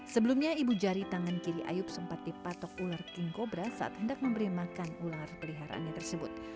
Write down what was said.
sebelumnya ibu jari tangan kiri ayub sempat dipatok ular king cobra saat hendak memberi makan ular peliharaannya tersebut